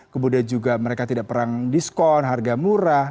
kemudian juga mereka tidak perang diskon harga murah